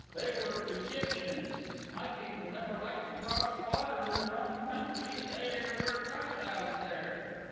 They were Egyptians. My people never liked to cross water in their own country. There were crocodiles there."